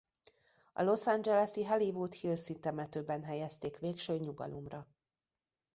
A Los Angeles-i Hollywood Hills-i Temetőben helyezték végső nyugalomra.